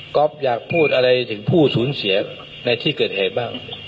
อยากพูดอะไรถึงผู้สูญเสียในที่เกิดเหตุบ้าง